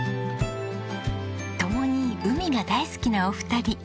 共に海が大好きなお二人。